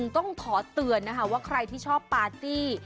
ต้องขอเตือนนะคะว่าใครที่ชอบปาร์ตี้